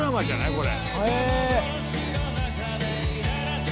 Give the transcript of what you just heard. これ。